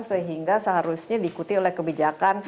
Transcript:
sehingga seharusnya diikuti oleh kebijakan